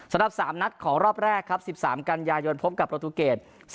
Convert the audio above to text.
สำหรับ๓นัดของรอบแรกครับ๑๓กันยายนพบกับโปรตูเกต